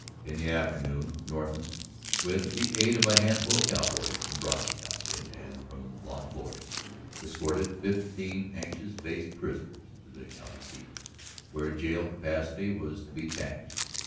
In the afternoon Norton, with the aid of a handful of cowboys from Brocky's outfit and from Las Flores, escorted fifteen anxious faced prisoners to the county seat, where jail capacity was to be taxed.